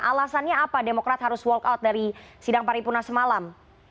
alasannya apa demokrat harus walkout dari sidang paripurna semalam